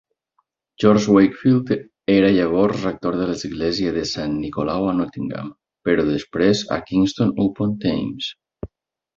George Wakefield, era llavors rector de l'Església de Sant Nicolau a Nottingham, però després a Kingston-upon-Thames.